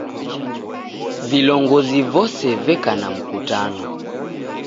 Vilongozi vose veka na mkutano